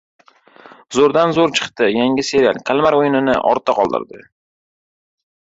Zo‘rdan zo‘r chiqdi: yangi serial "Kalmar o‘yini"ni ortda qoldirdi